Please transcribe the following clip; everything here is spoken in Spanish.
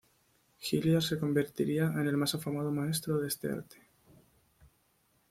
Hilliard se convertiría en el más afamado maestro de este arte.